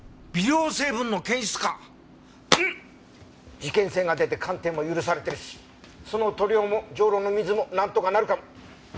事件性が出て鑑定も許されてるしその塗料もジョウロの水もなんとかなるかも。